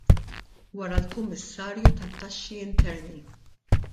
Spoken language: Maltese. Wara l-Kummissarju tat-Taxxi Interni.